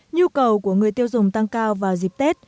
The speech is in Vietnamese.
nhu cầu của người tiêu dùng tăng cao vào dịp tết